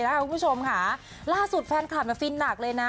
ล่าสุดแฟนคลัมมาฟินหนักเลยนะ